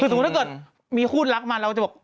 ถ้าเกิดมีคู่รักมาเราจะบอก